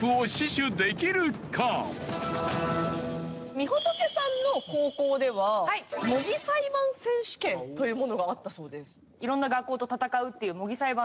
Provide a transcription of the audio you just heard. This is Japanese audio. みほとけさんの高校では模擬裁判選手権というものがあったそうです。